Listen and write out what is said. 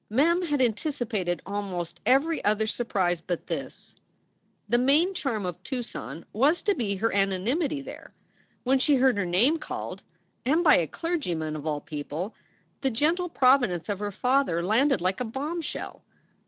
Mem had anticipated almost every other surprise but this. 86 SOULS FOR SALE The main charm of Tucson was to be her anonymity there. When she heard her name called, and by a clergyman, of all people, the gentle providence of her father landed like a bombshell.